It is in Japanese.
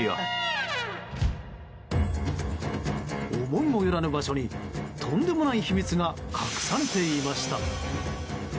思いもよらぬ場所にとんでもない秘密が隠されていました。